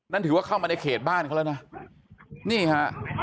นั่นถือว่าเข้ามาในเขตบ้านเขาแล้วนะ